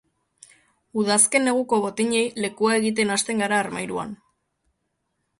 Udazken-neguko botinei lekua egiten hasten gara armairuan.